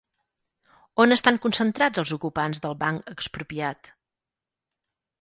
On estan concentrats els ocupants del Banc Expropiat?